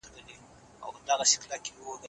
ثروت او نفوس د ټولني په جوړولو کي رول لري.